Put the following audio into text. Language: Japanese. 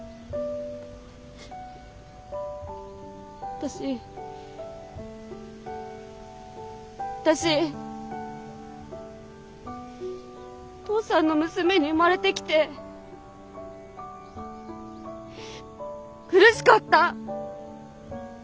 私私お父さんの娘に生まれてきて苦しかった！